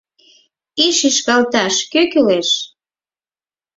И шӱшкалташ кӧ кӱлеш?